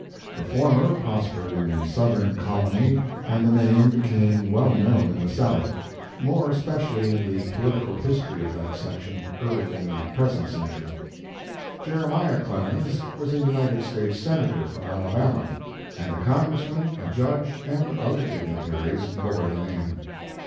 The former prospered in the southern colony and the name became well known in the South, more especially Mark Twain in the political history of that section early in the present century. Jeremiah Clemens was a United States senator from Alabama, and a congressman, a judge, and other dignitaries bore the name.